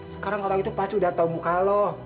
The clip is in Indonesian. sekarang orang itu pasti udah tau muka lo